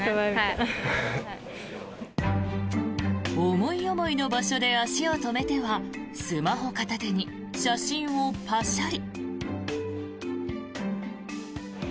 思い思いの場所で足を止めてはスマホ片手に写真をパシャリ。